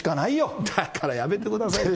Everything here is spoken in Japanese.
だからやめてくださいよ。